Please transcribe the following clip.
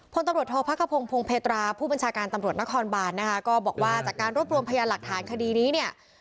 พตทพพพพผู้บัญชาการตทนบนะฮก็บอกว่าจากการรวมพยาหลักฐานคดีนี้เนี่ย